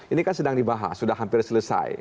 ini kan sedang dibahas sudah hampir selesai